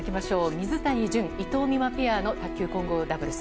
水谷隼、伊藤美誠ペアの卓球混合ダブルス